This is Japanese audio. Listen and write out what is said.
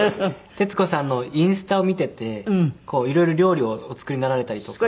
徹子さんのインスタを見ていて色々料理をお作りになられたりとか。